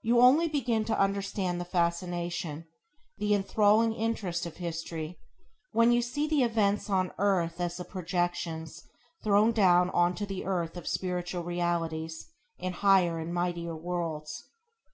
You only begin to understand the fascination, the enthralling interest of history, when you see the events on earth as the projections thrown down on to the earth of spiritual realities in higher and mightier worlds.